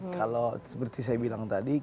kalau seperti saya bilang tadi